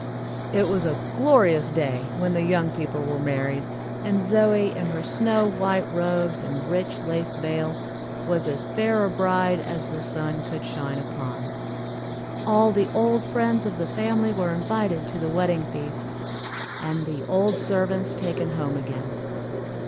It was a glorious day when the young people were married, and Zoie in her snow white robes and rich lace veil, was as fair a bride as the sun could shine upon. All the old friends of the family were invited to the wedding feast, and the old servants taken home again.